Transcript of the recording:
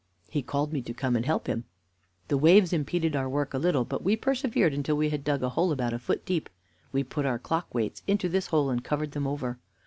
He called me to come and help him. The waves impeded our work a little, but we persevered until we had dug a hole about a foot deep. We put our clock weights into this hole and covered them over.